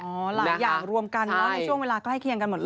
หรือว่าแหละอย่างรวมกันในช่วงเวลาใกล้เคียงกันหมดเลย